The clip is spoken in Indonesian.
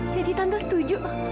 jadi tante setuju